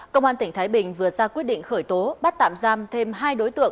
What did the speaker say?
công an tỉnh thái bình vừa ra quyết định khởi tố bắt tạm giam thêm hai đối tượng